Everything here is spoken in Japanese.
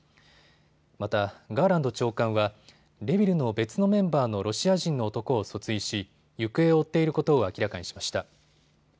またガーランド長官はＲＥｖｉｌの別のメンバーのロシア人の男を訴追し、行方を追っていることを明らかにしました。